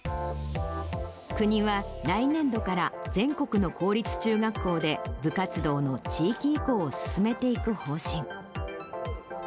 国は来年度から全国の公立中学校で、部活動の地域移行を進めていく方針。